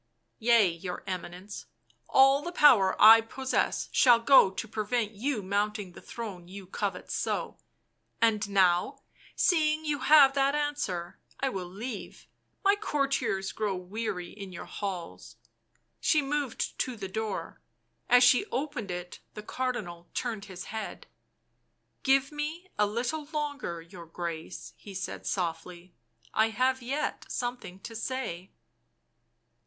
" Yea, your Eminence ; all the power I possess shall go to prevent you mounting the throne you covet so — and now, seeing you have that answer I will leave, my courtiers grow weary in your halls." She moved to the door ; as she opened it the Cardinal turned his head. " Give me a little longer, your Grace," he said softly. " I have yet something to say."